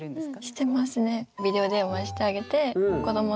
してますね。